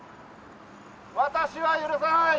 私は許さない。